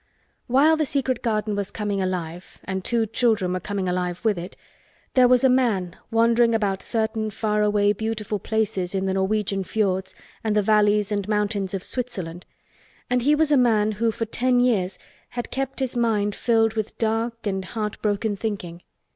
While the secret garden was coming alive and two children were coming alive with it, there was a man wandering about certain far away beautiful places in the Norwegian fiords and the valleys and mountains of Switzerland and he was a man who for ten years had kept his mind filled with dark and heart broken thinking.